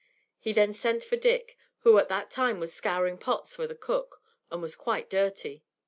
He then sent for Dick, who at that time was scouring pots for the cook, and was quite dirty.